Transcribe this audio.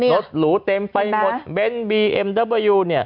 หรูเต็มไปหมดเบ้นบีเอ็มเดอร์เบอร์ยู